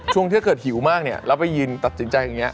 ช่วงที่เกิดหิวมากเนี่ยเราไปยืนตัดสินใจอย่างนี้